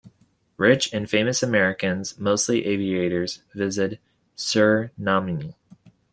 Rich and famous Americans, mostly aviators, visited Suriname.